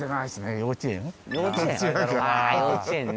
幼稚園ああ幼稚園ね